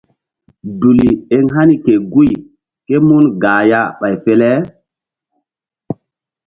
Duli eŋ hani ke guy ké mun gah ya ɓay fe le.